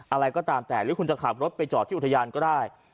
อะไรก็ตามแต่หรือคุณจะขับรถไปจอดที่อุทยานก็ได้